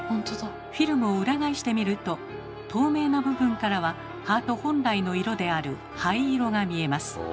フィルムを裏返してみると透明な部分からはハート本来の色である灰色が見えます。